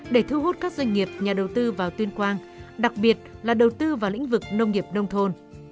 để thu hút các doanh nghiệp nhà đầu tư vào tuyên quang đặc biệt là đầu tư vào lĩnh vực nông nghiệp nông thôn